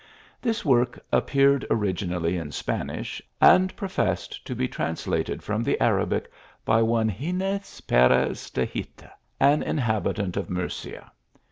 This work appeared origi nally in Spanish, and professed to be translated from the Arabic by one Gines Perez de Hita, an inhabit ant of Murcia.